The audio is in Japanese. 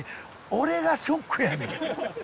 俺がショックやねん。